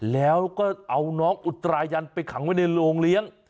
แล้วก็เอาน้องอุตรายันไปขังไว้ในโรงเลี้ยง